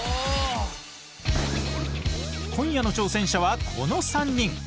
今夜の挑戦者はこの３人！